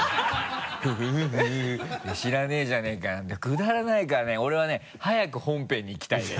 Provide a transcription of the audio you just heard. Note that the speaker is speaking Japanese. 「知らないじゃないか」なんてくだらないからね俺はね早く本編にいきたいね。